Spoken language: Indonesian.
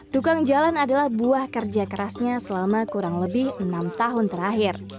tukang jalan adalah buah kerja kerasnya selama kurang lebih enam tahun terakhir